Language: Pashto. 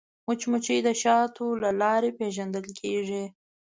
مچمچۍ د شاتو له لارې پیژندل کېږي